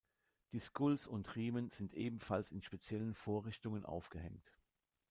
Die Skulls und Riemen sind ebenfalls in speziellen Vorrichtungen aufgehängt.